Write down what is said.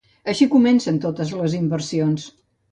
Així comencen totes les inversions.